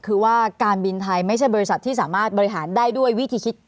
คือว่าการบินไทยไม่ใช่บริษัทที่สามารถบริหารได้ด้วยวิธีคิด